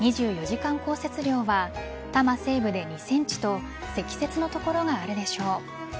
２４時間降雪量は多摩西部で２ｃｍと積雪の所があるでしょう。